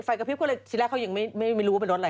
กระพริบก็เลยทีแรกเขายังไม่รู้ว่าเป็นรถอะไร